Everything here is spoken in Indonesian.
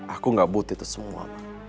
aku gak butuh itu semua